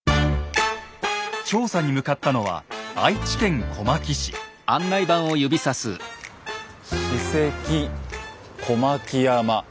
調査に向かったのは史跡小牧山。